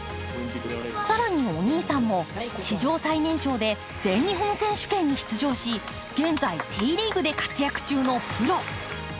更にお兄さんも、史上最年少で全日本選手権に出場し現在、Ｔリーグで活躍中のプロ。